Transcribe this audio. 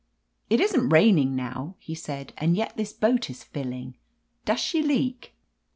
"It isn't raining now," he said, "and yet this boat is filling. Does she leak